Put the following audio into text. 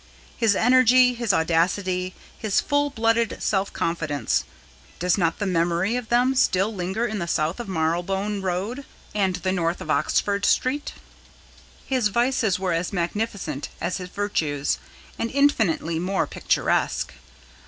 His energy, his audacity, his full blooded self confidence does not the memory of them still linger to the south of Marylebone Road and the north of Oxford Street? His vices were as magnificent as his virtues, and infinitely more picturesque.